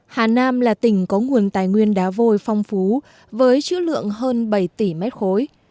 hà nam là tỉnh có nguồn tài nguyên đá vôi phong phú với chữ lượng hơn bảy tỷ mét khối